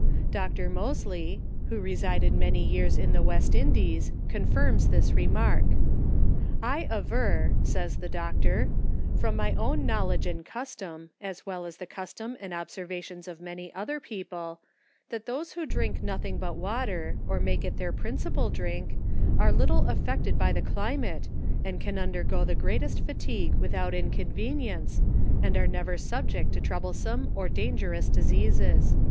Dr. Mosely, who ARDENT SPIRITS. 1* resided many years in the West Indies, confirms this re mark. " I aver, (says the Doctor) from my own knowl edge and custom, as well as the custom and observations of many other people, that those who drink nothing but water, or make it their principal drink, are but little af fected by the climate, and can undergo the greatest fa tigue without inconvenience, and are never subject to troublesome or dangerous diseases."